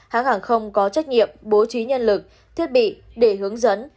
hãng hàng không có trách nhiệm bố trí nhân lực thiết bị để hướng dẫn